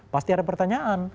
pasti ada pertanyaan